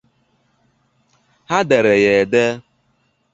Ha dere ya ede